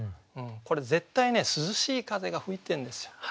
これ絶対ね涼しい風が吹いてるんですよ。